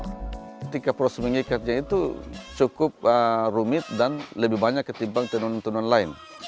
ketika proses mengikatnya itu cukup rumit dan lebih banyak ketimbang tenun tenun lain